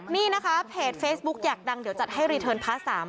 นี่นะคะเพจเฟซบุ๊กอยากดังเดี๋ยวจัดให้รีเทิร์นพาร์ท๓